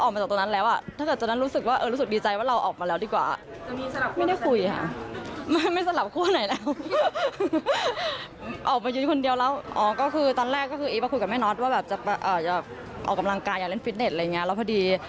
ออกมายืนคนเดียวแล้วอ๋อก็คือตอนอย่างแรกคืออีฟมาคุยกักแม่น็อตว่าแบบจะออกกำลังการอยากเล่นฟิตเน็ตอะไรอย่างเงี้ย